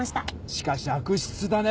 しかし悪質だね。